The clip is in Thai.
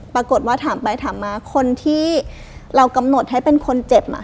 ปรากฏว่าถามไปถามมาคนที่เรากำหนดให้เป็นคนเจ็บ